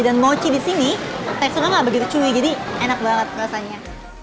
dan mochi di sini teksturnya gak begitu chewy jadi enak banget rasanya